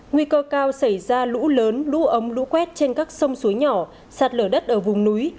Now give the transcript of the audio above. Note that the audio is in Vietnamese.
nguy cơ cao xảy ra lũ lớn lũ ống lũ quét trên các sông suối nhỏ sạt lở đất ở vùng núi